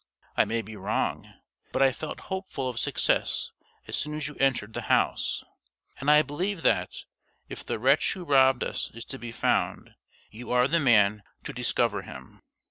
I may be wrong, but I felt hopeful of success as soon as you entered the house; and I believe that, if the wretch who robbed us is to be found, you are the man to discover him."